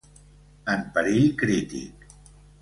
En perill crític.